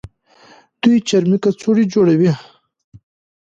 دوی چرمي کڅوړې جوړوي.